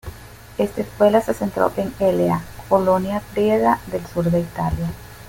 Esta escuela se centró en Elea, colonia griega del sur de Italia.